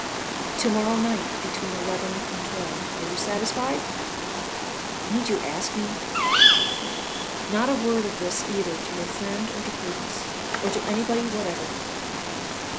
"To morrow night between eleven and twelve. Are you satisfied?" "Need you ask me?" "Not a word of this either to your friend or to Prudence, or to anybody whatever."